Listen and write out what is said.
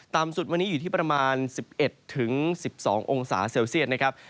สุดวันนี้อยู่ที่ประมาณ๑๑๑๒องศาเซลเซียตนะครับ